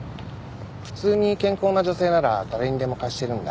普通に健康な女性なら誰にでも貸してるんだ。